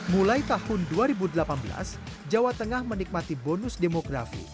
mulai tahun dua ribu delapan belas jawa tengah menikmati bonus demografi